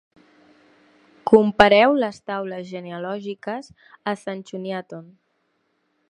Compareu les taules genealògiques a Sanchuniathon.